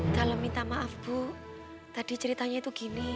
kalau minta maaf bu tadi ceritanya itu gini